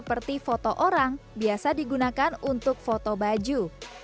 seperti foto orang biasa digunakan untuk foto baju